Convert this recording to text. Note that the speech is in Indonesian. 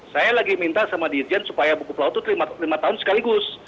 saya lagi minta sama dirjen supaya buku pelaut itu lima tahun sekaligus